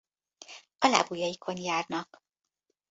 A lábujjaikon járnak.